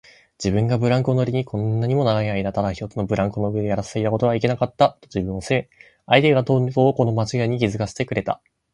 自分がブランコ乗りにこんなにも長いあいだただ一つのブランコの上でやらせていたことはいけなかった、と自分を責め、相手がとうとうこのまちがいに気づかせてくれた